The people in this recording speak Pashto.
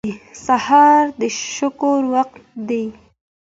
سهار د شکر وخت دی.